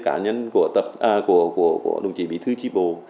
cá nhân của đồng chí bí thư tri bộ